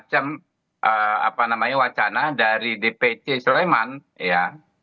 macam apa namanya wacana dari dpc sleman ya